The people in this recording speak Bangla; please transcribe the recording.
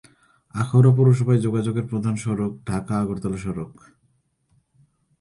আখাউড়া পৌরসভায় যোগাযোগের প্রধান সড়ক ঢাকা-আগরতলা সড়ক।